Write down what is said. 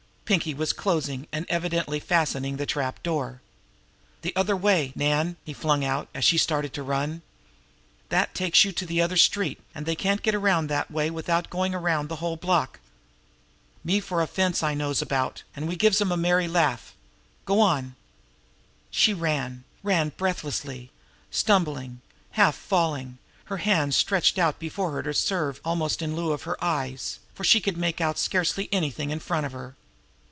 Pinkie was closing, and evidently fastening, the trap door. "The other way, Nan!" he flung out, as she started to run. "That takes you to the other street, an' they can't get around that way without goin' around the whole block. Me for a fence I knows about, an' we gives 'em the merry laugh! Go on!" She ran ran breathlessly, stumbling, half falling, her hands stretched out before her to serve almost in lieu of eyes, for she could make out scarcely anything in front of her.